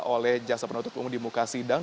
oleh jasa penutup umum di muka sidang